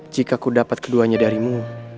jika aku dapat keduanya darimu